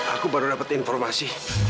aku baru dapat informasi